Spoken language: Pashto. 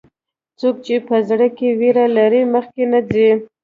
څوک چې په زړه کې ویره لري، مخکې نه ځي.